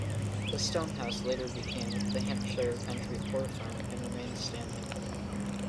The stone house later became the Hampshire County Poor Farm and remains standing.